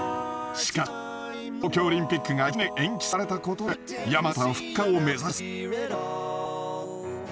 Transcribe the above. しかし東京オリンピックが１年延期されたことで山縣は復活を目指します。